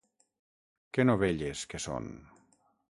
Que novelles que són!